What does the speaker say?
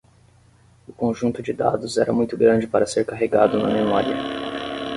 O conjunto de dados era muito grande para ser carregado na memória.